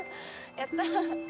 やった。